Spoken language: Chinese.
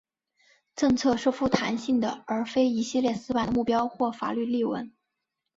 政策是富弹性的而非一系列死板的目标或法律例文。